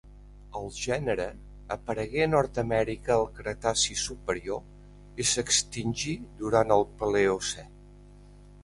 El gènere aparegué a Nord-amèrica al Cretaci superior i s'extingí durant el Paleocè.